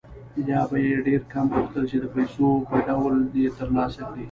یا به یې ډېر کم غوښتل چې د پیسو په ډول یې ترلاسه کړي